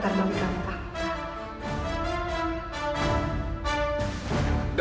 bagaimana bisa aku kasih tau dia